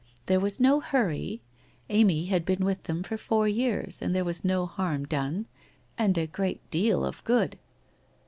There was no hurry. Amy had been with them four years and thero was no harm done. And a great deal of good.